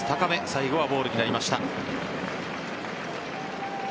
最後はボールになりました。